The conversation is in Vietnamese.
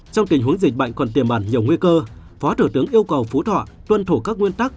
trong tình huống dịch bệnh còn tiềm ẩn nhiều nguy cơ phó thủ tướng yêu cầu phú thọ tuân thủ các nguyên tắc